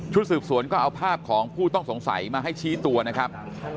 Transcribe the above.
สืบสวนก็เอาภาพของผู้ต้องสงสัยมาให้ชี้ตัวนะครับ